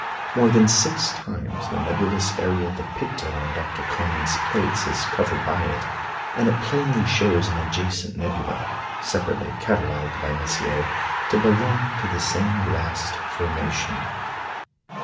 More than six times the nebulous area depicted on Dr. Common's plates is covered by it, and it plainly shows an adjacent nebula, separately catalogued by Messier, to belong to the same vast formation.